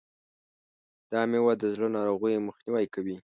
دا مېوه د زړه ناروغیو مخنیوی کوي.